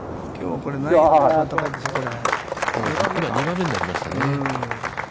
これは２番目になりましたね。